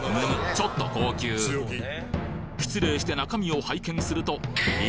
ちょっと高級失礼して中身を拝見するとえ？